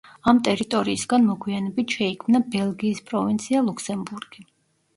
ამ ტერიტორიისგან მოგვიანებით შეიქმნა ბელგიის პროვინცია ლუქსემბურგი.